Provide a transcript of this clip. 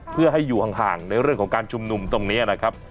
เพื่อให้อยู่ห่างในเรื่องของการชุมนุมตรงนี้นะครับ